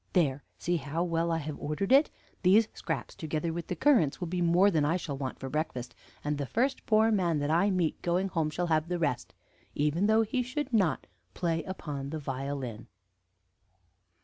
There, see how well I have ordered it! These scraps, together with the currants, will be more than I shall want for breakfast; and the first poor man that I meet going home shall have the rest, even though he should not play upon the violin.